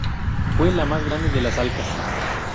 Fue la más grande de las alcas.